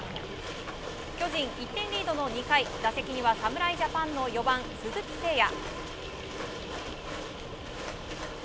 巨人１点リードの２回打席には侍ジャパンの４番鈴木誠也。